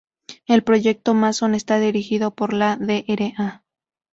El Proyecto Masson está dirigido por la Dra.